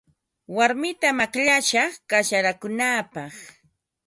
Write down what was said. Warmitam akllashaq kasarakunaapaq.